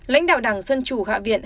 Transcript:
lãnh đạo đảng dân chủ hạ viện